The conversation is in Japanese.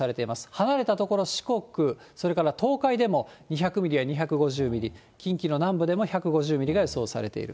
離れた所、四国、それから東海でも２００ミリや２５０ミリ、近畿の南部でも１５０ミリが予想されている。